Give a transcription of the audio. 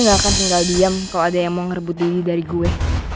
gak akan tinggal diam kalau ada yang mau ngerebut diri dari gue